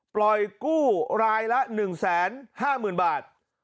ปล่อยกู้รายละ๑๕หมื่นบาท